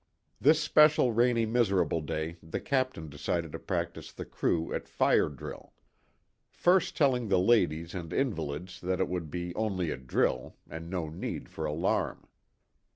This special rainy miserable day the captain decided to practice the crew at " Fire drill." First telling the ladies and invalids that it would be "only a drill," and no need for alarm.